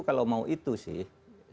kalau mau itu sih